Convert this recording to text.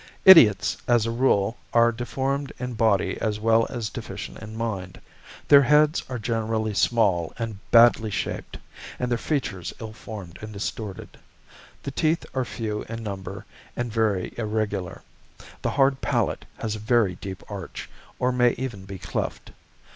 Idiots, as a rule, are deformed in body as well as deficient in mind. Their heads are generally small and badly shaped, and their features ill formed and distorted. The teeth are few in number and very irregular. The hard palate has a very deep arch, or may even be cleft.